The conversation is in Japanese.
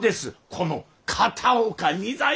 この片岡仁左衛門。